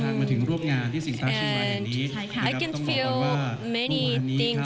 ชั้นรู้สึกดิจัยมากว่าถ้าฉันอยู่ที่นี่ที่เมืองไทยเป็น๑๕ปี